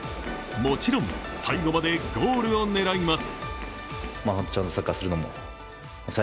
もちろん最後までゴールを狙います。